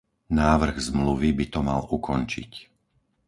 Návrh Zmluvy by to mal ukončiť.